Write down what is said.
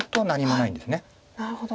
なるほど。